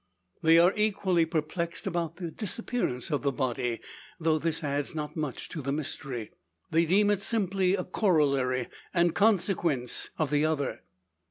They are equally perplexed about the disappearance of the body; though this adds not much to the mystery. They deem it simply a corollary, and consequence, of the other.